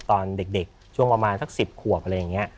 ตอนเด็กช่วงประมาณสัก๑๐ขวบอะไรอย่างนี้